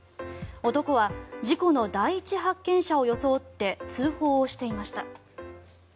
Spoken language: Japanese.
男は事故の第一発見者を装って通報をしていました。